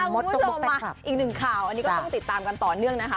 บอกว่าอีกหนึ่งข่าวอันนี้ก็ต้องติดตามกันต่อเนื่องนะคะ